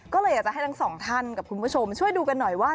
ก็เลยอยากจะให้ทั้งสองท่านกับคุณผู้ชมช่วยดูกันหน่อยว่า